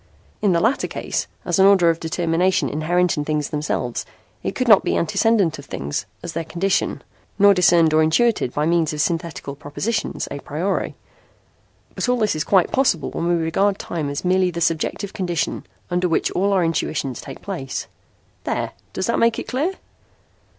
In the latter case, as an order of determination inherent in things themselves, it could not be antecedent to things, as their condition, nor discerned or intuited by means of synthetical propositions a priori. But all this is quite possible when we regard time as merely the subjective condition under which all our intuitions take place.' "There. Does that make it clear?"